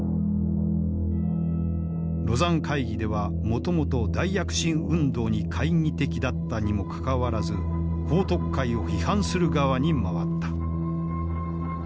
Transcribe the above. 廬山会議ではもともと大躍進運動に懐疑的だったにもかかわらず彭徳懐を批判する側に回った。